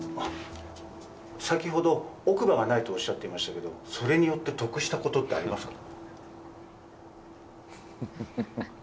先ほど奥歯がないとおっしゃっていましたけどそれによって得したことってありますか？